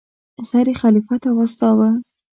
سر یې خلیفه ته واستاوه.